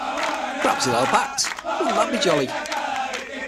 Perhaps he'll help act; wouldn't that be jolly?